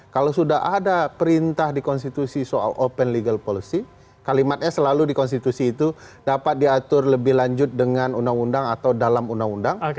kalau sudah ada perintah di konstitusi soal open legal policy kalimatnya selalu di konstitusi itu dapat diatur lebih lanjut dengan undang undang atau dalam undang undang